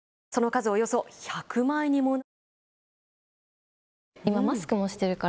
その数、およそ１００枚にも。